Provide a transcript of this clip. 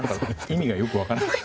意味がよく分からない。